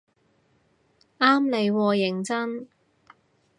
啱你喎認真